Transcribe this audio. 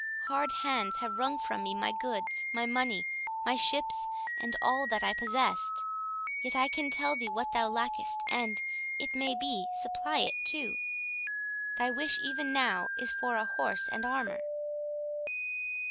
Hard hands have wrung from me my goods, my money, my ships, and all that I possessed—Yet I can tell thee what thou lackest, and, it may be, supply it too. Thy wish even now is for a horse and armour."